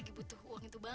kepa'an nih pak